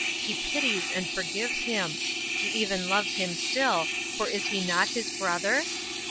He pities and forgives him; he even loves him still, for is he not his brother?